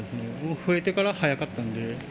増えてから早かったんで。